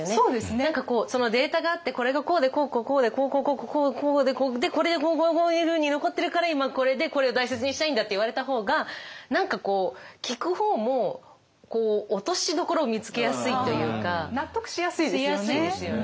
何かこうそのデータがあってこれがこうでこうこうこうでこうこうこうこうでこれでこうこうこういうふうに残ってるから今これでこれを大切にしたいんだって言われた方が何かこう聞く方も納得しやすいですよね。